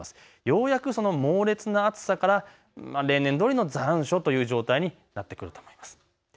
ようやく猛烈な暑さから例年どおりの残暑という状態になってくると思います。